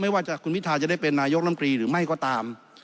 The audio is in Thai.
ว่าคุณพิทาจะได้เป็นนายกลำตรีหรือไม่ก็ตาม